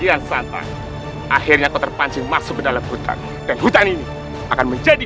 hahaha jangan santai akhirnya kau terpancing masuk ke dalam hutan dan hutan ini akan menjadi